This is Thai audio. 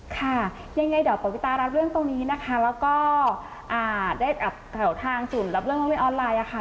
ค่ะยังไงเดี๋ยวปวิตารับเรื่องตรงนี้นะคะแล้วก็ได้แถวทางศูนย์รับเรื่องร้องเรียนออนไลน์ค่ะ